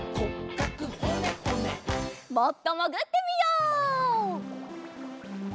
もっともぐってみよう。